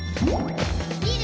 「みる！